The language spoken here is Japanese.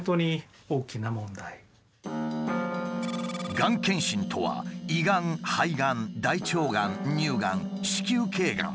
がん検診とは胃がん肺がん大腸がん乳がん子宮けいがん